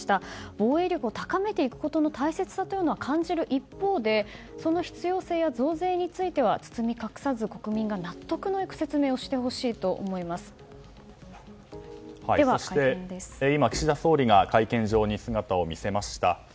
防衛力を高めていくの大切さを感じる一方でその必要性や増税については包み隠さず国民が納得のいく説明を今、岸田総理が会見場に姿を見せました。